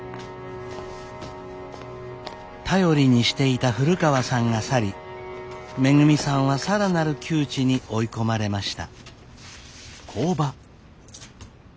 頼りにしていた古川さんが去りめぐみさんは更なる窮地に追い込まれました。